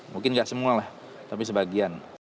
mungkin tidak semua tapi sebagian